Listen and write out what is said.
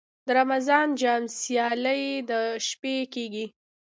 د رمضان جام سیالۍ د شپې کیږي.